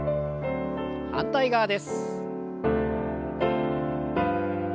反対側です。